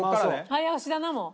早押しだなもう。